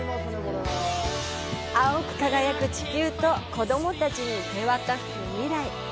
青く輝く地球と子供たちに手渡す未来。